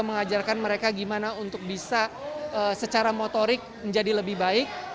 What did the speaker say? mengajarkan mereka gimana untuk bisa secara motorik menjadi lebih baik